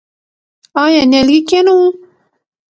آیا نیالګی کینوو؟